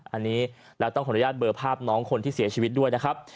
อันนี้เราต้องขออนุญาตเบอร์ภาพน้องคนที่เสียชีวิตด้วยนะครับ